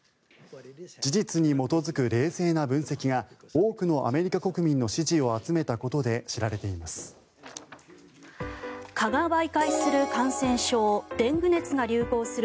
事実に基づく冷静な分析が多くのアメリカ国民の支持を集めたことで知られています。